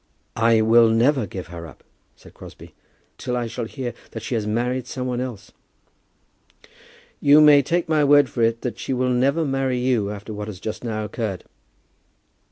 "I will never give her up," said Crosbie, "till I shall hear that she has married some one else." "You may take my word for it, that she will never marry you after what has just now occurred."